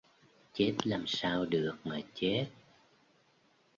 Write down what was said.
chết làm sao được mà chết